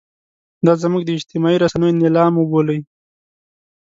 دا زموږ د اجتماعي رسنیو نیلام وبولئ.